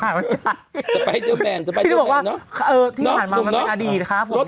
หลักถามมันชัดพี่ต้องบอกว่าเออที่ผ่านมามันเป็นอดีตครับผมเออ